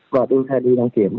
và đưa xe đi đăng kiểm